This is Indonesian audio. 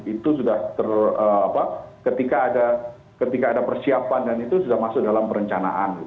itu sudah ketika ada persiapan dan itu sudah masuk dalam perencanaan